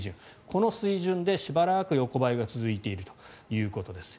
この水準でしばらく横ばいが続いているということです。